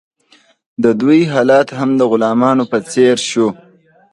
د دوی حالت هم د غلامانو په څیر شو.